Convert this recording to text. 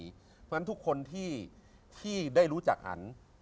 เพราะฉะนั้นทุกคนที่ได้รู้จักอัน